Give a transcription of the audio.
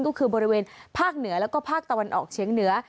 ก็คือบริเวณภาคเหนือแล้วก็ภาคตะวันออกเชียงเหนือ